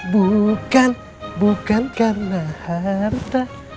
bukan bukan karena harta